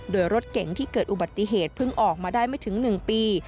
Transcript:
โดยรถเก่งที่เกิดอุบัติเหตุเพิ่งออกมาได้ไม่ถึง๑ปี